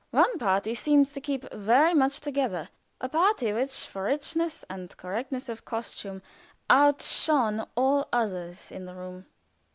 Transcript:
One party seemed to keep very much together a party which for richness and correctness of costume outshone all others in the room.